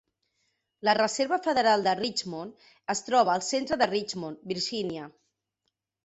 La Reserva Federal de Richmond es troba al centre de Richmond, Virgínia.